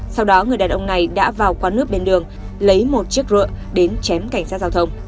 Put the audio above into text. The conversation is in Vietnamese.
sau đó người đàn ông này đã vào quán nước bên đường lấy một chiếc rựa đến chém cảnh sát giao thông